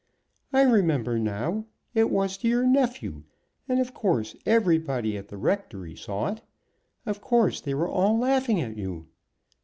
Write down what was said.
"I remember now. It was to your nephew; and of course everybody at the rectory saw it. Of course they were all laughing at you."